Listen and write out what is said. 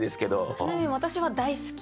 ちなみに私は大好きです。